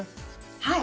はい。